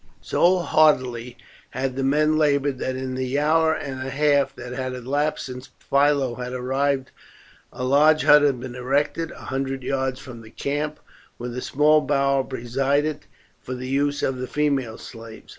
So heartily had the men laboured that in the hour and a half that had elapsed since Philo had arrived a large hut had been erected a hundred yards from the camp, with a small bower beside it for the use of the female slaves.